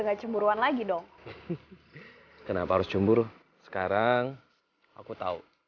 aku bisa cemburu sekarang aku tahu kalau aku bisa cemburu sekarang aku tahu kalau